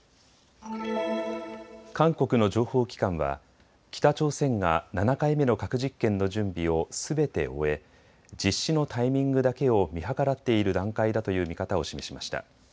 韓国の情報機関は北朝鮮が７回目の核実験の準備をすべて終え、実施のタイミングだけを見計らっている段階だという見方を示しました。